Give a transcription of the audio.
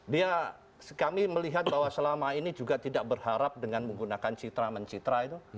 dia kami melihat bahwa selama ini juga tidak berharap dengan menggunakan citra mencitra itu